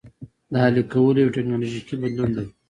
د اهلي کولو یو ټکنالوژیکي بدلون دی.